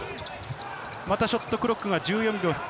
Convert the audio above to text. またショットクロックが１４秒。